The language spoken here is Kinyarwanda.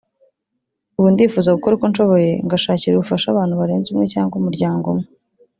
Ubu ndifuza gukora uko nshoboye ngashakira ubufasha abantu barenze umwe cyangwa umuryango umwe